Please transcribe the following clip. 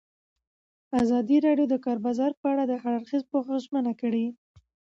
ازادي راډیو د د کار بازار په اړه د هر اړخیز پوښښ ژمنه کړې.